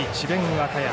和歌山。